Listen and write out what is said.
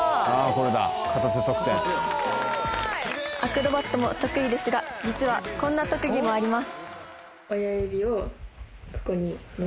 これだ片手側転「アクロバットも得意ですが実はこんな特技もあります」